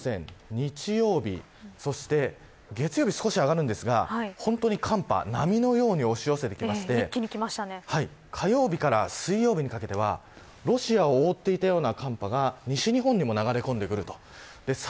日曜日そして月曜日、少し上がりますが本当に寒波波のように押し寄せてきまして火曜日から水曜日にかけてはロシアを覆っていたような寒波が西日本でも流れ込んでくるということです。